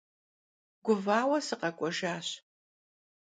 Guvaue sıkhek'uejjaş.